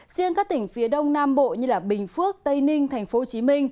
riêng các tỉnh phía đông nam bộ như bình phước tây ninh tp hcm